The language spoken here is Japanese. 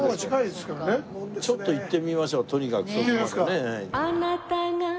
ちょっと行ってみましょうとにかくそこまでね。